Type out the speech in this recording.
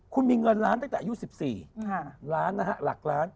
คุณมีเงินล้านตั้งแต่อายุ๑๔ล้านนะฮะหลักล้าน